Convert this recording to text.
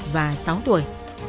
và sáu tuổi